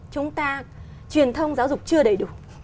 chúng ta truyền thông giáo dục chưa đầy đủ